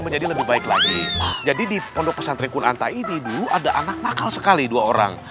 menjadi lebih baik lagi jadi di pondok pesantren kunanta ini dulu ada anak nakal sekali dua orang